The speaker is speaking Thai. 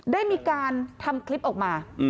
ได้มีการทำคลิปออกมา